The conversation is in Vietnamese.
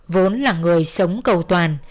vốn là người sống cầu toàn